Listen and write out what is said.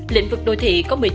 lĩnh vực đô thị có một mươi chín